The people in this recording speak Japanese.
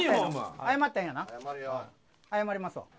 謝りますわ。